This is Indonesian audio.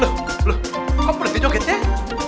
loh loh kok boleh di joget ya